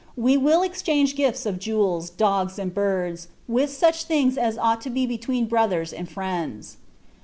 We will exchange gifts of jewels, dogs, and birds, with such things as ought to be between brothers and friends."